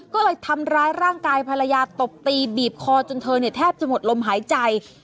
ก็เลยทำร้ายร่างกายภรรยาตบตีบีบคอจนเธอเนี่ยแทบจะหมดลมหายใจ